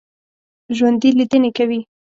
ژوندي لیدنې کوي